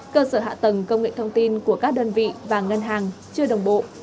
cơ sở hạ tầng công nghệ thông tin của các đơn vị và ngân hàng chưa đồng bộ